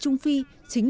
chúng ta phải đảm bảo họ